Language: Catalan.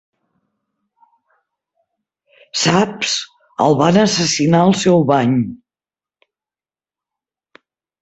"Saps, el van assassinar al seu bany."